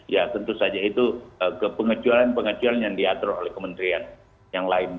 ya tentu saja itu ke pengejualan pengejualan yang diatur oleh kementerian yang lain juga